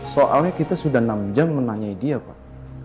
soalnya kita sudah enam jam menanyai dia pak